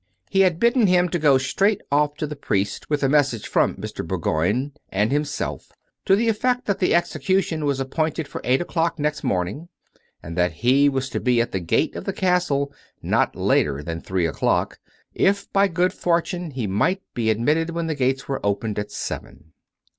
... He had bidden him to go straight off to the priest, with a message from Mr. Bour goign and liimself, to the effect that the execution was ap pointed for eight o'clock next morning; and that he was to be at the gate of the castle not later than three o'clock, if, by good fortune, he might be admitted when the gates were opened at seven.